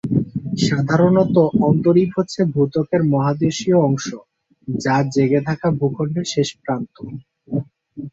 সাধারণত অন্তরীপ হচ্ছে ভূত্বকের মহাদেশীয় অংশ যা জেগে থাকা ভূখন্ডের শেষ প্রান্ত।